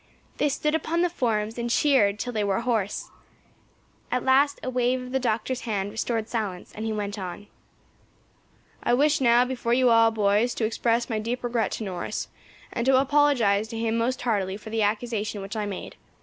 They stood upon the forms and cheered until they were hoarse. At last a wave of the doctor's hand restored silence, and he went on. "I wish now, before you all, boys, to express my deep regret to Norris, and to apologise to him most heartily for the accusation which I made.